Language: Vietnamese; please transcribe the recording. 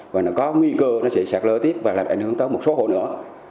và nó có nguy cơ nó sẽ sạt lở tiếp và làm ảnh hưởng tới một số hộ nữa